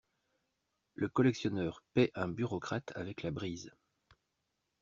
Le collectionneur paie un bureaucrate avec la brise!